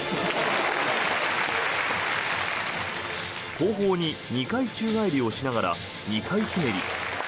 後方に２回宙返りをしながら２回ひねり。